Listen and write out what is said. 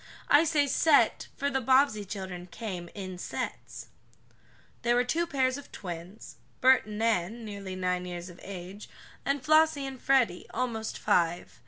I say "set" for the Bobbsey children came "in sets." There were two pairs of twins, Bert and Nan, nearly nine years of age, and Flossie and Freddie, almost five.